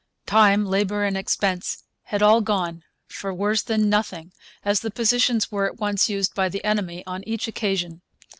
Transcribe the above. Time, labour, and expense had all gone for worse than nothing, as the positions were at once used by the enemy on each occasion.